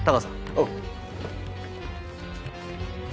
おう。